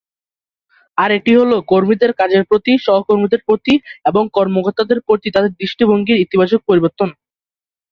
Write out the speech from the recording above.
আর এটি হলো কর্মীদের কাজের প্রতি, সহকর্মীদের প্রতি এবং কর্মকর্তাদের প্রতি তাদের দৃষ্টিভঙ্গির ইতিবাচক পরিবর্তন।